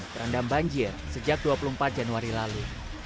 terendam banjir sejak dua puluh empat januari lalu